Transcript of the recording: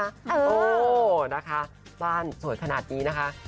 เออนะคะบ้านสวยขนาดนี้นะคะ